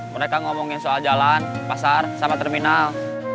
mereka ngomongin soal jalan pasar sama terminal